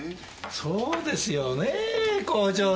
そうですよね校長先生。